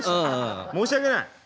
申し訳ない。